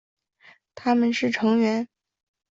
他们是成员。